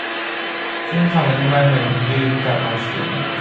ซึ่งคำอธิบายเหมือนลืมกลับมาเขียน